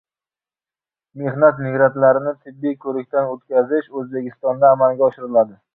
Mehnat migrantlarini tibbiy ko‘rikdan o‘tkazish O‘zbekistonda amalga oshiriladi